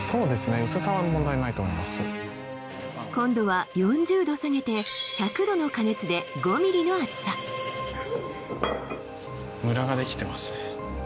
今度は４０度下げて１００度の加熱で５ミリの厚さムラができてますね